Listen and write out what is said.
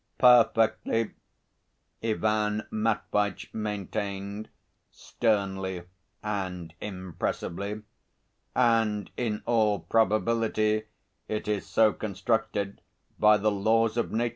"Perfectly," Ivan Matveitch maintained sternly and impressively. "And in all probability, it is so constructed by the laws of Nature.